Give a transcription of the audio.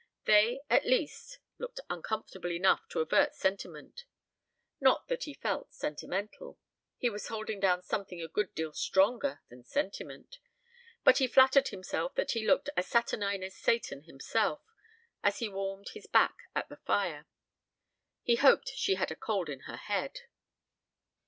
They, at least, looked uncomfortable enough to avert sentiment. Not that he felt sentimental. He was holding down something a good deal stronger than sentiment, but he flattered himself that he looked as saturnine as Satan himself as he warmed his back at the fire. He hoped she had a cold in her head.